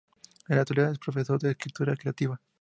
En la actualidad es profesor de escritura creativa.